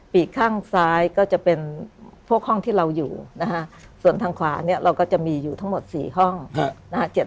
ปีกข้างซ้ายก็จะเป็นพวกห้องที่เราอยู่นะฮะส่วนทางขวาเนี่ยเราก็จะมีอยู่ทั้งหมด๔ห้องนะฮะ